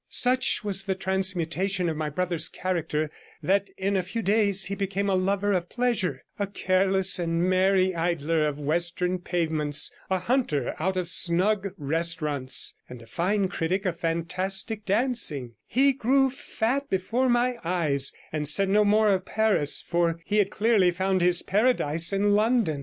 Such was the transmutation of my brother's character that in a few days he became a lover of pleasure, a careless and merry idler of western pavements, a hunter out of snug restaurants, and a fine critic of fantastic dancing; he grew fat before my eyes, and said no more of Paris, for he had clearly found his paradise in London.